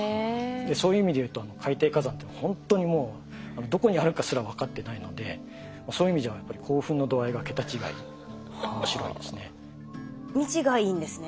そういう意味でいうと海底火山っていうのはほんとにもうどこにあるかすら分かってないのでそういう意味じゃ未知がいいんですね。